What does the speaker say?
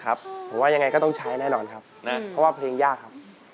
ผมว่ายังไงก็ต้องใช้แน่นอนครับนะเพราะว่าเพลงยากครับ